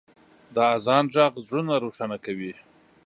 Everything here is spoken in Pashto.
د اذان ږغ زړونه روښانه کوي.